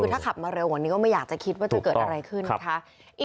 คือถ้าขับมาเร็วกว่านี้ก็ไม่อยากจะคิดว่าจะเกิดอะไรขึ้นนะคะ